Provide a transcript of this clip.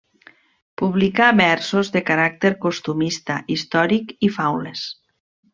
Publicà versos de caràcter costumista, històric i faules.